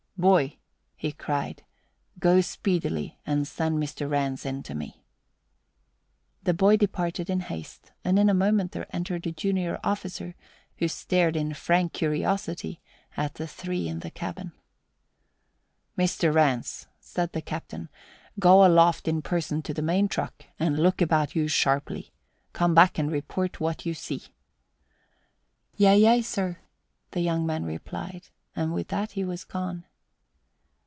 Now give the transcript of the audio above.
"Boy," he cried, "go speedily and send Mr. Rance in to me." The boy departed in haste and in a moment there entered a junior officer, who stared in frank curiosity at the three in the cabin. "Mr. Rance," said the captain, "go aloft in person to the main truck and look about you sharply. Come back and report what you see." "Yea, yea, sir," the young man replied, and with that he was gone.